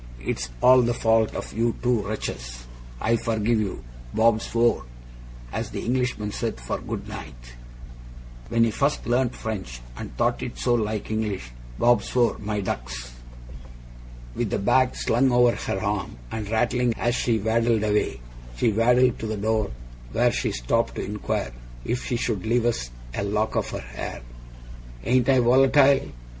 It's all the fault of you two wretches. I forgive you! "Bob swore!" as the Englishman said for "Good night", when he first learnt French, and thought it so like English. "Bob swore," my ducks!' With the bag slung over her arm, and rattling as she waddled away, she waddled to the door, where she stopped to inquire if she should leave us a lock of her hair. 'Ain't I volatile?